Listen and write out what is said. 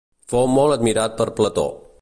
Fou molt admirat per Plató.